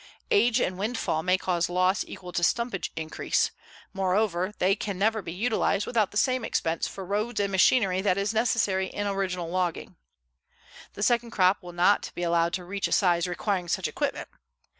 Age and windfall may cause loss equal to stumpage increase; moreover, they can never be utilized without the same expense for roads and machinery that is necessary in the original logging. The second crop will not be allowed to reach a size requiring such equipment.